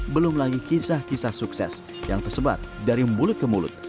belum lagi kisah kisah sukses yang tersebar dari mulut ke mulut